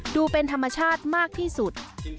ดูเป็นธรรมชาติมากที่สุด